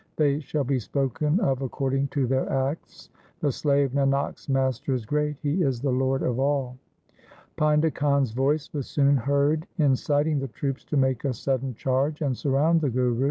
They shall be spoken of according to their acts. The slave Nanak's Master is great ; He is the Lord of all. 1 Painda Khan's voice was soon heard inciting the troops to make a sudden charge and surround the Guru.